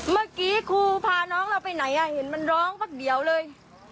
เมื่อกี้ครูพาน้องเราไปไหนเห็นมันร้องพักเดียวเลย